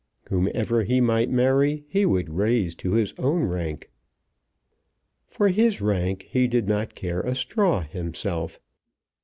Whomever he might marry he would raise to his own rank. For his rank he did not care a straw himself.